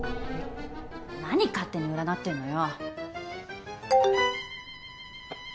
何勝手に占ってんのよ。